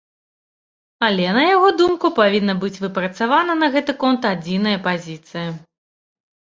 Але, на яго думку, павінна быць выпрацавана на гэты конт адзіная пазіцыя.